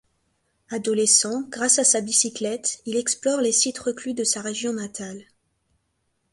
Adolescent, grâce à sa bicyclette, il explore les sites reclus de sa région natale.